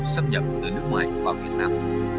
xâm nhập từ nước ngoài vào việt nam